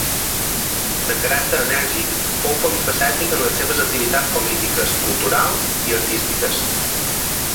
De caràcter enèrgic, fou polifacètic en les seves activitats polítiques, culturals i artístiques.